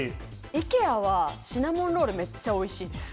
ＩＫＥＡはシナモンロールめっちゃおいしいです。